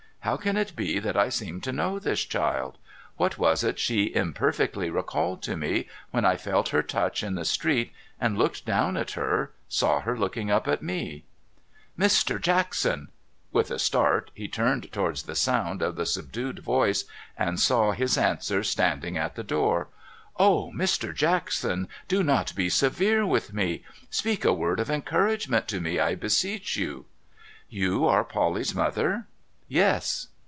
How can it be that I seem to know this child ? What was it she imperfectly recalled to me when I felt her touch in the street, and, looking down at her, saw her looking up at me ?'' Mr. Jackson !' With a start he turned towards the sound of the subdued voice, and saw his answer standing at the door. ' Oh, Mr. Jackson, do not be severe with me ! Speak a word of encouragement to me, I beseech you.' ' You are Polly's mother.' * Yes.'